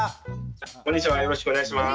よろしくお願いします。